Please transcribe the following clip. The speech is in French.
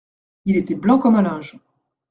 Il était blanc comme un linge.